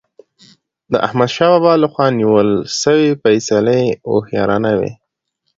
د احمدشاه بابا له خوا نیول سوي فيصلي هوښیارانه وي.